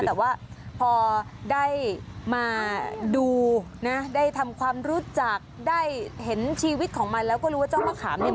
แต่ว่าพอได้มาดูนะได้ทำความรู้จักได้เห็นชีวิตของมันแล้วก็รู้ว่าเจ้ามะขามเนี่ย